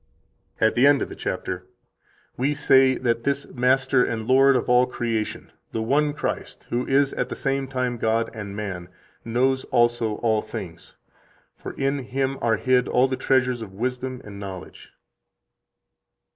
100 At the end of the chapter: "We say that this Master and Lord of all creation, the one Christ, who is at the same time God and man, knows also all things. For in Him are hid all the treasures of wisdom and knowledge."